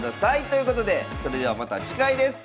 ということでそれではまた次回です。